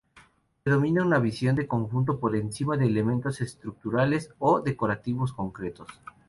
Predomina una visión de conjunto por encima de elementos estructurales o decorativos concretos.